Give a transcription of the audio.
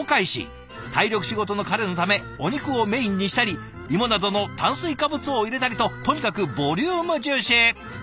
体力仕事の彼のためお肉をメインにしたり芋などの炭水化物を入れたりととにかくボリューム重視。